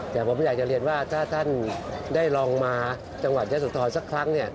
แต่ผมอยากจะเรียนว่าถ้าท่านได้ลองมาจังหวัดยะสุธรสักครั้ง